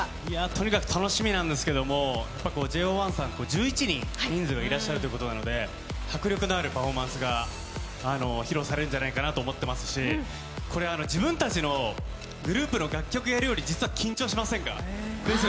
とにかく楽しみなんですけれども、ＪＯ１さん、１１人人数がいらっしゃるということなので、迫力のあるパフォーマンスが披露されるんじゃないかなと思ってますし、自分たちのグループの楽曲をやるより実は緊張しませんか？